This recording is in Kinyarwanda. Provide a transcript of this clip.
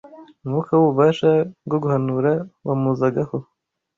umwuka w’ububasha bwo guhanura wamuzagaho.